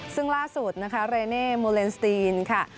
ซึ่งล่าสุดนะคะเรเน่โมเลนสตีนค่ะ